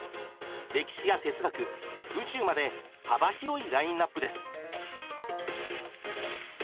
歴史や哲学宇宙まで幅広いラインナップです。